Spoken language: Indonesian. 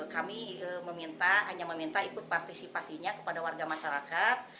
kami hanya meminta ikut partisipasinya kepada warga masyarakat